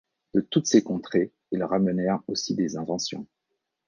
De toutes ces contrées, ils ramenèrent aussi des inventions.